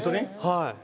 はい。